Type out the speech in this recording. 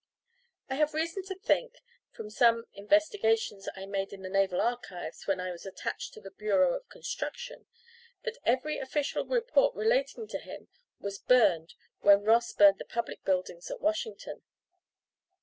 I have reason to think, from some investigations I made in the Naval Archives when I was attached to the Bureau of Construction, that every official report relating to him was burned when Ross burned the public buildings at Washington.